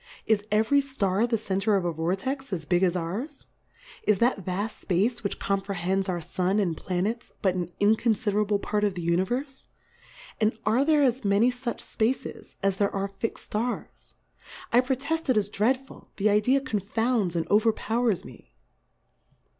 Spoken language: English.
Is e very Star the Center of a Vortex, as big as ours ? Is that vaft Space which comprehends our Sun and Planets, but an inconfiderable Part of the Uni verfe? And are there as many fuch Spaces, as there are fixM Stars? I pro teft it is dreadful, the Idea confounds and overpowers me.